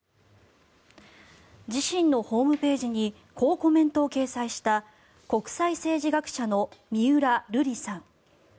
自身のホームページにこうコメントを掲載した国際政治学者の三浦瑠麗さん。